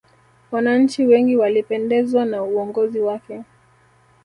wananchi wengi walipendezwa na uongozi wake